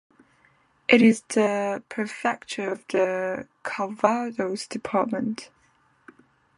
It is the prefecture of the Calvados department.